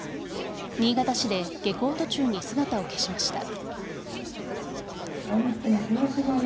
新潟市で下校途中に姿を消しました。